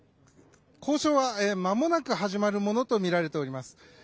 交渉はまもなく始まるものとみられております。